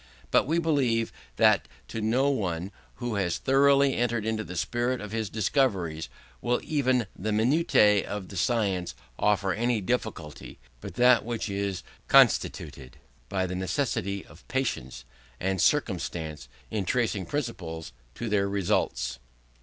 But we believe that to no one, who has thoroughly entered into the spirit of his discoveries, will even the minutiae of the science offer any difficulty but that which is constituted by the necessity of patience and circumspection in tracing principles to their results.